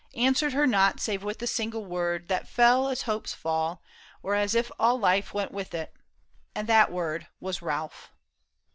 Answered her not save with a single word That fell as hopes fall, or as if all life Went with it, and that word was Ralph.